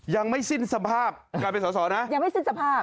ยังไม่สิ้นสภาพการเป็นสอสอนะ